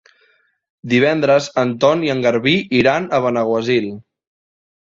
Divendres en Ton i en Garbí iran a Benaguasil.